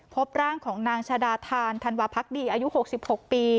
พบร่างของนางชาดาธานธันวาพักดีอายุ๖๖ปี